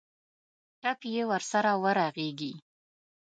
ټپ یې ورسره ورغېږي.